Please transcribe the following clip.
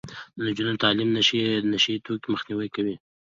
د نجونو تعلیم د نشه يي توکو مخنیوی کوي.